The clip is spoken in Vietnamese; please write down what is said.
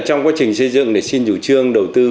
trong quá trình xây dựng để xin chủ trương đầu tư